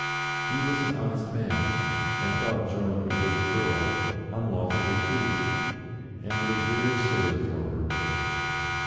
He was an honest man, and thought Joan a good girl, unlawfully treated, and was very sorry for her.